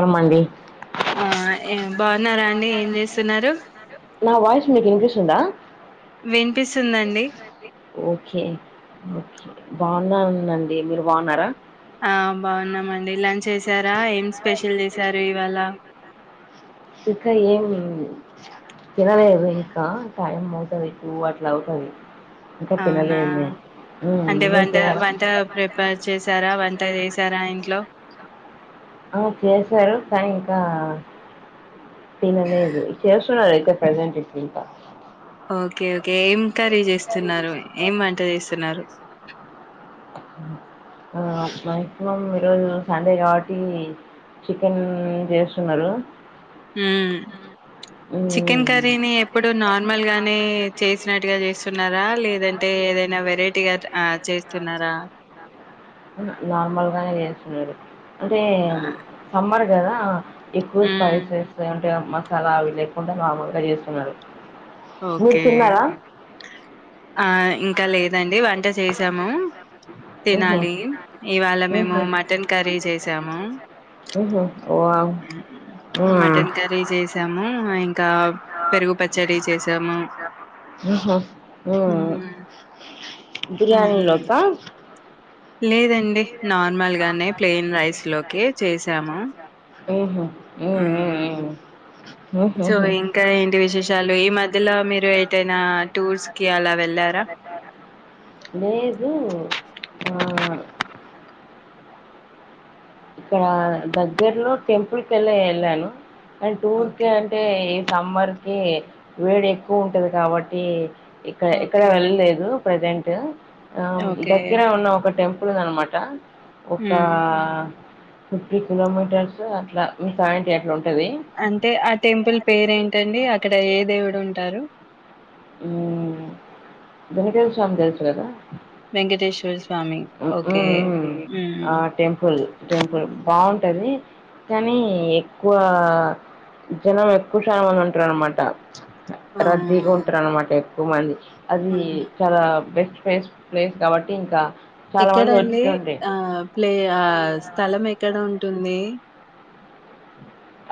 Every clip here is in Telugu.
రంమండి ఆ ఏ బాగున్నారా అండి ఏం చేస్తున్నారు? నా వాయిస్ మీకు వినిపిస్తుందా? వినిపిస్తుందండి ఓకే ఓకే బాగుంద ఉందండి మీరు బాగున్నారా? ఆ బాగున్నామండి లంచ్ చేశార ఏం స్పెషల్ చేశారు ఇవాళ ఇంకా ఏం తినలేదు ఇంకా టైం అవుతది టు అట్లా అవుతంది అవునా అంటే మీరు వంట తినారా వంట ప్రిపేర్ చేసారా వంట చేసారా ఇం ట్లో అ చేశారు కానీ ఇంకా పిలవలేధు చేస్తున్నారు అయితే ప్రజెంట్ ఇ ఇంకా ఓకే ఓకే ఏం కర్రీ ఏంటర ఏం చేస్తున్నారు వంట ఏంంత చేస్తున్నారు ఆ మాక్సిమం ఈరోజు సండే కాబట్టి చికెన్ చేస్తున్నారు ఉమ్ చికెన్ హ్మ్. కర్రీని ఎప్పుడు నార్మల్ గానే చేసినట్టు వెరైటీగా ఆ చేస్తున్నారా నార్మల్గానే మీ అంటే ఆ సమ్మర్ దా ఎక్కువ మ్మ్ స్పైసెస్ మసాలా అవి లేకుండా మాములుగా చేస్తున్నారు మీరు ఓకే తిన్నారా ఆ ఇంకా లేదండి వంట చేసి తేమం హుహు. తినాలి ఇవాళ హుహు. మేము మటన్ కర్రీ చేసాము హుహు. వావ్! హ్మ్. మటన్ కర్రీ చేసాము ఇంకా పెరుగు పచ్చడి చేసాము హుహు. హ్మ్. ఉమ్ ఉమ్ బిర్యానీలోకా? లేదండి నార్మల్ గానే ప్లెయిన్ రైస్ లోకి చేసాము ఉహూ ఉ ఉ హ్మ్. ఊ ఓహో సో, ఇంకా ఏంటి విశేషాలు? ఈ మధ్యలో మీరు ఎటైనా టూర్స్‌కి అలా వెళ్లారా? లేదు ఆ ఇక్కడ దగ్గర్లో టెంపుల్ కి వెళ్ళ వెళ్ళాను అం టూర్ కి ఓకే. అంటే ఏ సమ్మర్కి వేడి ఎక్కువ ఉంటది కాబట్టి ఇక్కడ ఎక్కడ ఓకే. వెళ్ళలేదు ప్రజెంట్ ప ఆ ఓకే. దగ్గర ఉన్న ఒక టెంపుల్ ఇప్పుడుంద అనమాట ఒకా హ్మ్. ఫిఫ్టీ కిలోమీటర్స్ అట్లా మీ పాయింట్ ఎట్లు అంటే ఆ టెంపుల్ పేరు ఏంటండి అక్కడ ఏ దేవుడు ఉంటారు. ఉమ్ వెంకటేశ్వరస్వామి తెలుసుకదా. వెంకటేశ్వర స్వామి. ఉహూ ఓకే. ఉమ్ హ్మ్. ఆ టెంపుల్ టెంపుల్ బాగుంటది కానీ ఎక్కువ జనం ఎక్కువ శాతం మంది ఉంటారు అనమాట. ఆ రద్దీగా ఉం అనమాట ఎక్కువ మంది. అది అవునా చాలా బెస్ట్. ప్లేస్ ప్లేస్ కాబట్టి ఇంకా. చాలా మంది ఎక్కడండి వచ్చుండే. ఆ ప్లే ఆ స్థలం ఎక్కడ ఉం పట్టునై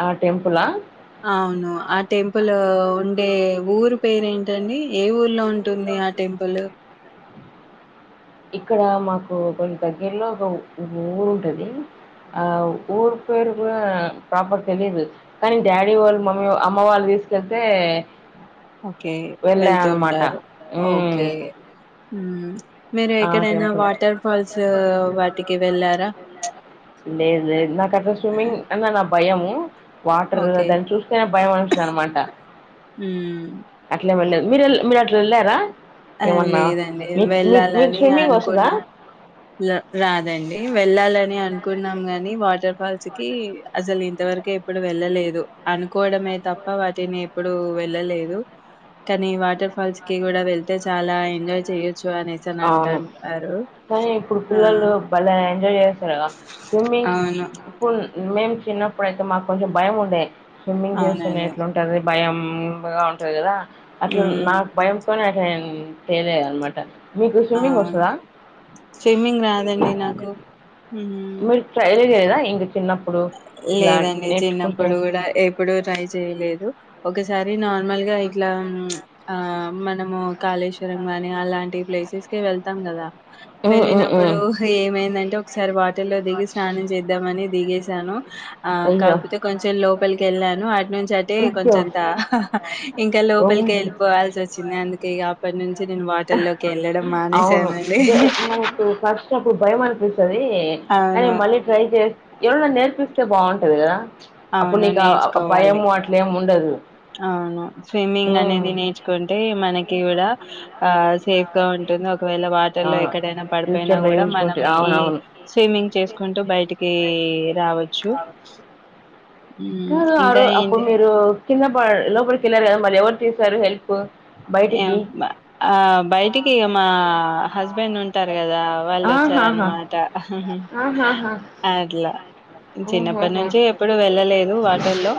ఆ టెంపులా ఆహ్ అవును ఆ టెంపుల్ ఉండే ఊరు పేరు ఏంటి. అండి ఏ ఊరు. లో ఉంటుంది ఆ టెంపుల్. ఇక్కడ మాకు కొన్ని దగ్గర్లో ఒక ఊరు ఉంటది. ఆ ఊరు పేరు కూడా ప్రాపర్ తెలిదు కానీ డాడీ వాళ్ళు మమ్మీ అమ్మ వాళ్ళు తీసుకెళ్తే. ఓకే వెళ్ళా వెళ్తూ అనమాట. ఉంటారు ఓకే హ్మ్. ఉమ్ ఆ టెంపుల్ వాటికి వెళ్లారా? లేదు లేదు నాకట్లా స్విమ్మింగ్ అన్ననా భయము. Water okay. దాన్ని చూస్తేనే భయం అనిపిస్తుంది అనమాట హ్మ్. అట్లేం వెళ్లాలేదు. మీరల్ మీరు అట్లా వెళ్లారా. ఆ లేదండి వెళ్ళాలి. మీకు అని స్విమ్మింగ్ వస్తుందా అనుకున్న లా రాదండి వెళ్లాలని. అనుకున్నాం గాని వాటర్ ఫాల్స్ కి అసలు ఇంతవరకు ఎప్పుడు వెళ్ళలేదు. అనుకోవడమే తప్ప వాటిని ఎప్పుడు వెళ్ళలేదు. కానీ వాటర్ ఫాల్స్ కి కూడా వెల్ చాలా ఎంజాయ్ చెయ్యోచ్ అవును కానీ ఇప్పుడు ఆ! పిల్లలు బలే ఎంజాయ్ చేస్తారు. స్విమ్మింగ్ అవును. ఫుల్ మేము చిన్నప్పుడయితే మాకు కొంచెం భయం ఉండే స్విమ్మింగ్ చేస్తనే అవునండి. ఎట్లాంటంది భయం. ముంబాగ ఉంటాది కదా. అట్లా హ్మ్. నాకు భయం తోనే ఏం తెలే అనమాట. మీకు స్విమ్మింగ్ అవును. వస్తదా స్విమ్మింగ్ రాదండి నాకు. హ్మ్. మీరు ట్రైల్ లేదా ఇంగ చిన్నప్పు లేదండి చిన్నప్పుడు కూడా ఎప్పుడు ట్రై చేయలేదు. ఒకసారి నార్మల్ గా ఇట్లా ప్చ్ ఆ మనము కాళేశ్వరం గాని అలాంటి ప్లేసెస్ కి వెళ్తాం గదా. ఉమ్ ఉమ్ వెళ్ళినప్పుడు ఉమ్ ఏమైందంటే ఒకసారి వాటర్లో దిగి స్నానం చేద్దాంమని దిగేశాను. ఆ అయ్యో కాకపోతే కొంచెం లోపలికి ఎళ్ళాను అటు నుంచి అటే అయ్యో కొంచెంత ఇంకా లోపలికి ఓయ్ వెళ్ళిపోవాల్సి వచ్చింది అందుకే ఇగా ఆ పన్ అవును మానేశానండి. మనకు ఫస్ట్ అప్పుడు భయం అనిపిస్తది. నీ కానీ అవును. మళ్ళీ ట్రై చేస్ ఎవరన్నా నేర్ పిస్తే బావుంటది గదా. అప్పుడు అవును. నీకు ఆ నేర్చుకోవాలి. భయమూ అట్లేం ఉండదూ. అవును స్విమ్మింగ్ అనేది నేర్చుకుంటే మనకి కూడా ఆ సేఫ్ గా ఉంటుంది ఒక్ ఒకవేళ వాటర్ ఆ లో ఎక్కడైనా పడిపోయినా ఫ్యూచర్ లో కూడా యూజ్ మనం ఉంటది ఈ అవునవును స్విమ్మింగ్ చేసుకుంటూ బయటికీ రావచ్చు. హ్మ్. కాదు ఇంకా ఆరో అప్పుడు ఏంటి మీరు కింద ప లోపలికెళ్ళారు కదా మళ్ళీ ఎవరు తీసారు హెల్ప్. బయటికి ఆ బయటికి ఇగ మా హస్బెండ్ ఉంటారు కదా వాళ్ళు ఆహాహా వచ్చారన్నమాట ఆహాహా అట్లా. చిన్నప్పటి ఓహోహో! నుంచి ఎప్పుడు వెళ్ళలేదు వాటర్ లో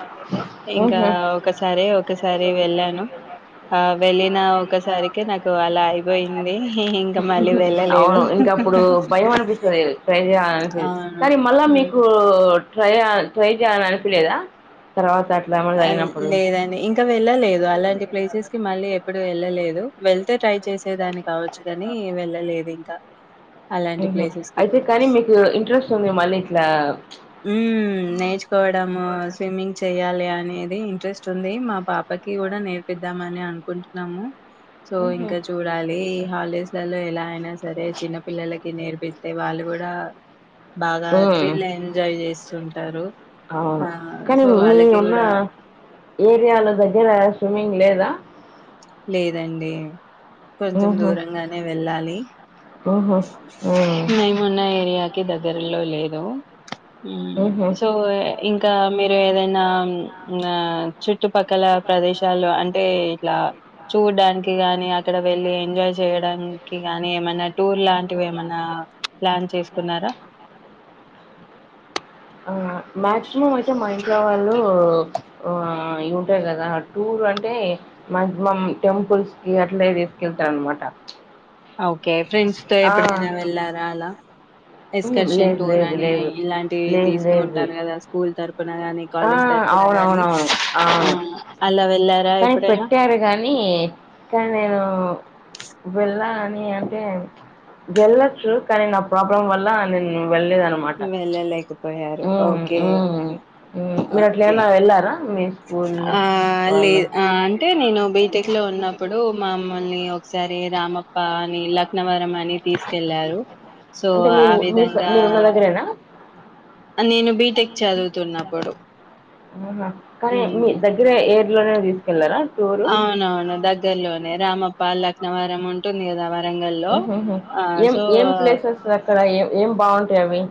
ఇంకా హుహు. ఇట్లా ఒకసారి ఒకసారి వెళ్ళాను ఆ వెళ్ళిన ఒకసారికే నాకు అలా అయిపోయింది ఇంకా మళ్ళీ వెళ్ళలేదు అవును ఇంకా అప్పుడు భయం అనిపిస్తది ట్రై చేయాలనిపి అవును కానీ మళ్ళా హ్మ్. మీకు ఓ ఓ ట్రైయా ట్రై చేయాలని అనిపీలేదా లేదండి ఇంకా వెళ్ళలేదు అలాంటి ప్లేసెస్ మళ్ళీ ఎప్పుడూ ఎళ్ళలేదు వెళ్తే ట్రై చేసేదాన్ని కావచ్చు గానీ వెళ్ ల్ల లేదు ఇంకా అలాంటి హ్మ ప్లేసెస్ కి అయితే కానీ మీకు ఇంట్రెస్ట్ ఉంది మళ్ళీ ఇట్లా ఊ నేర్చుకోవడమూ స్విమ్మింగ్ చెయ్యాల్ అనేది ఇంట్రెస్ట్ ఉంది మా పాపకి కూడా నేర్పిద్దామ్ అని అనుకుంటున్నాము. సో హుహు. ఇంకా చూడాలి ఈ హాలిడేస్ లలో ఎలా ఫైనాన్స్ సరే చిన్న పల్లలకి నేర్పిస్తే వాళ్ళు కూడా హ్మ్. బాగాత్ర్రిలై న్ అవును కానీ సో మీ వాళ్ళకి ఉన్న కూడా ఏరియాల దగ్గర స్విమ్మింగ్ లేదు ఇలా లేదండి కొంచెం హుహు. దూరంగానే వెళ్ళాలి హుహు. హ్మ్. మేమున్న ఏరియాకి దగ్గర లో లేదు హుహు. సో ఇంకా మీరు ఏదైనా నా చ చుట్టుపక్కల ప్రదేశాల్లో అంటే ఏ ఇట్లా చూడ్డానికి ని అక్కడ వెళ్ళి ఎంజాయ్ చేయడానికి ని ఏమైనా టూర్ లాంటివి ఏమైనా ప్లాన్ చేసుకున్నారా ఆ మాక్సిమం అయితే మా ఇంట్లో వాళ్ళు ఆ ఉంటారు కదా టూర్ అంటే మాక్సిమం టెంపుల్స్ కి అట్లే తీసుకెళ్తారు అనమాట ఓకే ఫ్రెండ్స్ తో ఎప్పుడైనా వెళ్లారా అలా హ్మ్. ఎక్స్కర్షన్ లేదు, టూర్ లేదు, అని లేదు. ఇలాంటివి లేదు, తీస్తూ లేదు. ఉంటారు కదా స్కూల్ తరపుు ఆ అవునవునవును ఆ అవును అలా వెళ్ళారా కానీ ఎప్పుడైనా పెట్టారు కానీ కానీ నేను వెళ్ళ అని అంటే వెళ్ళొచ్చు కానీ నా ప్రాబ్లం వల్ల నేను వెళ్లేద అనమాట వెళ్ళలేకపోయారు ఓకే ఓకే స్కూల్ ఆ వాళ్ళు? లేదు ఆ అంటే నేను బీటెక్ లో ఉన్నప్పుడు మా మమ్మల్ని ఒకసారి రామప్ప అని ల సో అంటే మీ ఆ మీ విధంగా మీరున్న దగ్గరేనా నేను బీటెక్ చదువుతున్నప్పుడు ఆహా కానీ మీ మ్మ్ దగ్గర ఏ ఇలోనే తీసుకెలారరా అవునవును దగ్గర్లోనే రామప్ప లక్ అన్నవారం ఉంటుంది కదా వరంగల్లో హ ఆ ఏం సో ఏం ప్లేసెస్ంది అక్కడ ఏ ఏం బాగుంటాయి అవి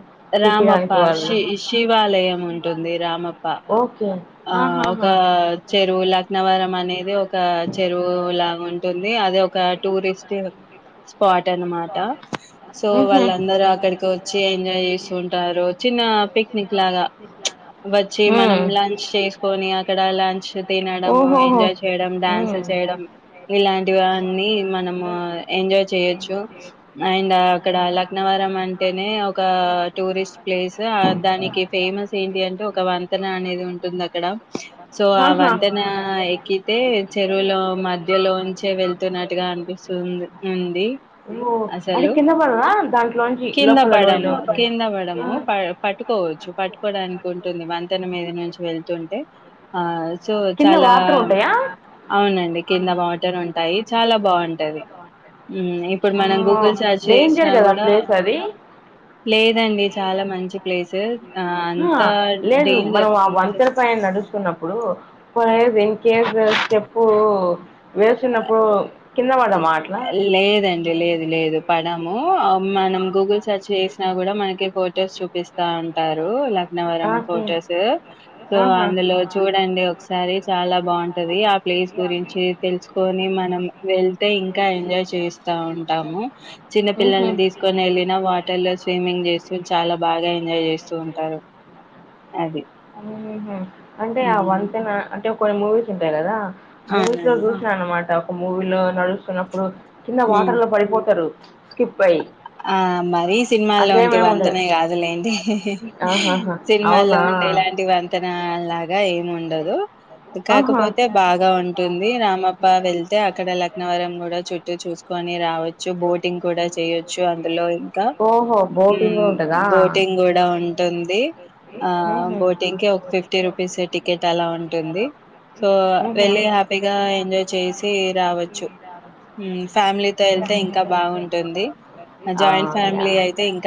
రామప్ప చూపిడానికి వాళ్ళు శి శివాలయం ఉంటుంది రామప్ప ఓకే ఆ ఒక ఆహాహా ఆ, చెరువు లకన అనేది ఒక చెరువులాగా ఉంటుంది అది ఒక టూరిస్ట్ పాట అనమాట సో ఉహు సో వాళ్ళందరూ అక్కడికి వచ్చి ఎంజాయ్ చేస్తుంటారు చిన్న పిక్నిక్ లాగా వచ్చి మనం శ్రీకాళహస్తి లంచ్ చేసుకొని అక్కడ లంచ్ తినడం ఓహోహో ఎంజాయ్ చేయడం డ్యాన్స్ చేయడం ఇలాంటివన్నీ మనము ఎంజాయ్ చేయచ్చు అండ్ అక్కడ లక్నవరం అంటేనే ఒక టూరిస్ట్ ప్లేస్ దానికి ఫేమస్ ఏంటి అంటే ఒక వంతెన అనేది ఉంటది అక్కడ సో ఆ వంతెన ఎక్కితే చెరువులో మధ్యలోంచే వెళ్తున్నట్టుగా అనిపిస్తుంది ఉంది ఓ అంటే అసలు కిందపడరా దాంట్లో నుంచి కింద లోపల పడము లోయలోకి కింద పడము ఆ ప పట్టుకోవచ్చు పట్టుకోవడానికి ఉంటుంది వంతెన మీద నుంచి వెళ్తుంటే ఆ సో కింద చాలా వాటర్ ఉంటాయా అవునండి కింద బౌంటెన్ ఉంటాయి చాలా బాగుంటది ఇప్పుడు మనం అమ్మో గూగుల్ సర్చ్ డేంజర్ చేసినా కదా కూడా ప్లేస్ అది లేదండి చాలా మంచి ప్లేసెస్ ఆ అంతా డేంజర్ ఇద్దరు పైన నడుస్తున్నప్పుడు ఇన్ కేస్ స్టెప్ వేస్తున్నప్పుడు కింద పడ్డామా అట్లా లేదండి లేదు లేదు పడ మనం గూగుల్ సెర్చ్ చేసినా కూడా మనకి ఫొటోస్ చూపిస్తా అంటారు నవరం ఓకే ఫొటోస్ సో ఆహా అందులో చూడండి ఒకసారి చాలా బాగుంటది ప్లేస్ గురించి తెలుసుకొని మనం వెళ్ చిన్న ఉహూ పిల్లల్ని తీసుకొని వెళ్ళిన వాటర్ లో స్విమ్మింగ్ చేస్తూ చాలా బాగా ఎంజాయ్ చేస్తూ ఉంటారు అది ఉహూ అంటే ఆ ఉమ్, వంతెన అంటే కొన్ని మూవీస్ ఉంటాయి కదా మూవీస్ లో అవునండి చూసా అన్నమాట మూవీలో నడుస్తున్నప్పుడు కింద ఉమ్. వాటర్ లో పడిపోతారు స్కిప్ అయి ఆ మరి సినిమాల్లో వంటి ఉండదు. వంతనే కాదులేండి ఆహాహా! సినిమాల్లో అవునా? ఉండే అలాంటి వంతెన లాగా ఇగా ఏమి ఉండదు ఆహా! కాకపోతే బాగా ఉంటుంది రామప్ప వెళ్తే అక్కడ లక్నవరం కూడా చుట్టూ చూసుకొని రావచ్చు బోటింగ్ కూడా చేయొచ్చు వచ్చు అందులో ఇంకా అక్కడ. ఓహో! బోటింగ్ ఉమ్ గూడా ఉంటదా? బోటింగ్ కూడా ఉంటుంది ఆ ఉహు. బోటింగ్ కి ఒక ఫిఫ్టీ రూపీస్ టికెట్ అలా ఉంటుంది సో ఉహు. వెళ్లి హ్యాపీగా ఎంజాయ్ చేసి రావచ్చు ఫ్యామిలీతో వెళ్తే ఇంకా బాగుంటుంది ఆ జాయింట్ ఫ్యామీ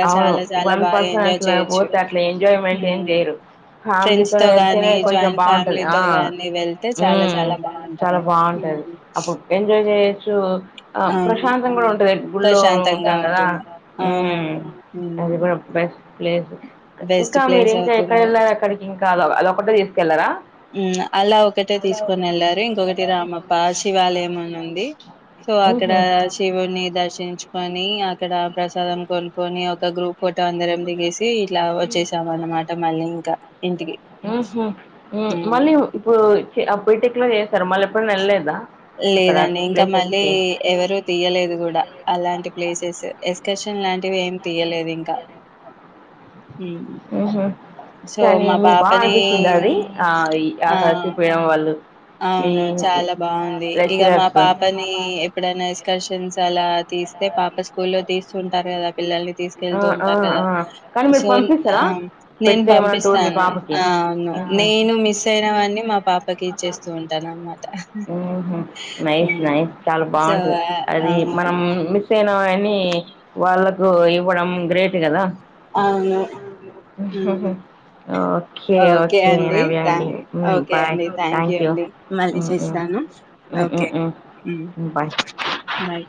అవును వన్ పర్సన్ ఎంజాయ్ అట్లా చేయొచ్చు. పోతే అట్లా ఎంజాయ్మెంట్ ఏం హ్మ్ చేయరు ఫ్రెండ్స్ ఫ్యామిలీతో తో గాని వెళ్తేనే కొంచెం జాయింట్ బాగుంటది ఆ ఫ్యామిలీతో గాని వెళ్తే చాలా ఉమ్ చాలా చాలా బాగుంటుంది. బాగుంటది హ్మ్ అప్పుడు ఎంజాయ్ చే సో ఆ అవును ప్రశాంతం కూడా ఉంటాదేమో ఊర్లో ప్రశాంతంగా ఉంటాంగదా ఉంటుంది. అవునండి బెస్ట్ ప్లేస్ బెస్ట్ ఇంకా మీరు ప్లేస్ ఇంకా ఎక్కడ అవుతున్నారు వెళ్ళారు అక్కడికి ఇంకా అదొ అదొకటే తీసుకెళ్లారా అలా ఒకటే తీసుకని వెళ్లారు ఇంకొకటి రామప్ప శివాలయం అని ఉంది సో అక్కడ శివుని దర్ చించుకొని అక్కడ ప్రసాదం కొనుక్కొని ఒక గ్రూప్ ఫోటో అందరం దిగేసి ఇట్లా వచ్చేసాం అన్నమాట మళ్ళీ ఇంకా ఇంటికి ఉహు ఉ మ్ మళ్ళీ ఇప్పుడు అహ్ బీటెక్ లో చేశారు మళ్ళీ ఎప్పుడన్నా ఏళ్లలేదా లేదండి ఇంకా మళ్ళీ ఎవరు తీయలేదు కూడా అలాంటి ప్లేసెస్ స్ కేషన్ లాంటివి ఏమి తీయలేదు ఇంకా ఉమ్ మ్మ్హ. కానీ మీకు బాగా అనిపించింది అది ఆ అక్కడ ఆ చూపయడం వాళ్ళు మీ అవును చాలా బాగుంది ఇక మా లెక్చరర్స్ పాపని ఎప్పుడైనా ఎక్స్కర్షన్స్ అలా తీస్తే పాప స్కూల్లో తీస్తుంటారు కదా పిల్లల్ని తీస్ వెళ్తూ ఉంటారూ ఈ కదా మధ్యలో కానీ మీరు సో పంపిస్తారా నేను పెడితే ఏమైనా టూర్ మీ పంపిస్తాను పాపకి అ అవును ఆ. నేను మిస్ అయినవన్నీ మా పాపకి ఇచ్చేస్ ఉహు నైస్ హ్మ్ నైస్ చాలా సో బాగుంటది ఆహ్, అది అవును మనం మిస్ అయిన మీ వాళ్ళకు ఇవ్వడం గ్రేట్ కదా అవును హ్మ్ ఓకే ఓకే అండి నవ్య థ్యా అండి ఉమ్ ఓకే బాయ్ అండి థ్యాంక్ యూ థ్యాంక్యూ అండి మళ్ళీ చేస్తాను. ఓకే హ్మ్ బాయ్ బాయ్.